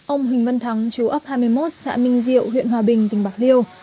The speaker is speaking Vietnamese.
ông huỳnh văn thắng chú ấp hai mươi một xã minh diệu huyện hòa bình tỉnh bạc liêu